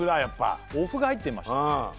やっぱ「お麩が入っていました」